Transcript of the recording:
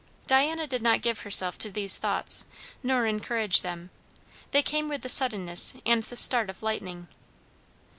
Diana did not give herself to these thoughts nor encourage them; they came with the suddenness and the start of lightning.